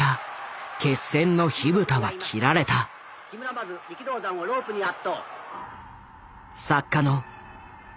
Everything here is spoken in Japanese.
まず力道山をロープに圧倒。